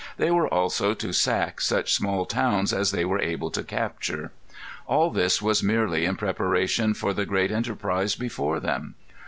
They were also to sack such small towns as they were able to capture. All this was merely in preparation for the great enterprise before them.